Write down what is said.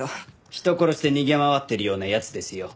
人殺して逃げ回ってるような奴ですよ。